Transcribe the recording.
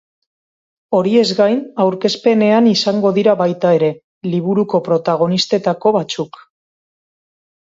Horiez gain, aurkezpenean izango dira baita ere, liburuko protagonistetako batzuk.